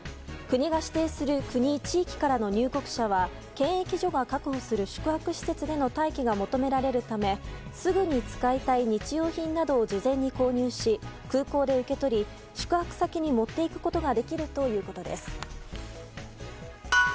国が指定する国・地域からの入国者は検疫所が確保する宿泊施設での待機が求められるためすぐに使いたい日用品などを事前に購入し、空港で受け取り宿泊先に持っていくことができるということです。